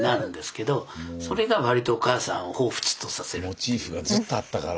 モチーフがずっとあったから。